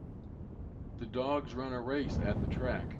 The dogs run a race at the track.